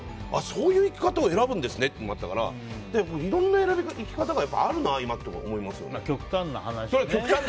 そういう生き方を選ぶんですねってのもあったからいろんな生き方があるなと思いますね。